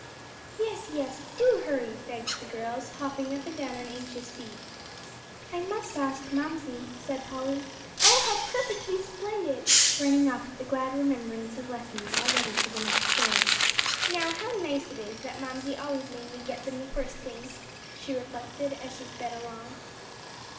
"Yes, yes, do hurry," begged the girls, hopping up and down on anxious feet. "I must ask Mamsie," said Polly. "Oh, how perfectly splendid!" running off with a glad remembrance of lessons all ready for the next day. "Now how nice it is that Mamsie always made me get them the first thing," she reflected as she sped along.